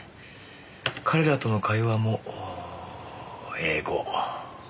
彼らとの会話も英語。